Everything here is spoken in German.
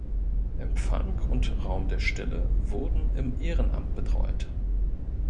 Empfang und Raum der Stille wurden im Ehrenamt betreut.